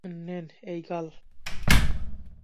নেন এই গাল!